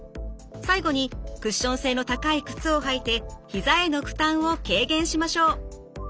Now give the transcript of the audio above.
最後にクッション性の高い靴を履いて膝への負担を軽減しましょう。